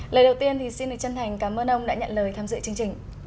lời đầu tiên thì xin được chân thành cảm ơn ông đã nhận lời tham dự chương trình